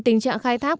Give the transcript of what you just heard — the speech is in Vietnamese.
tình trạng khai thác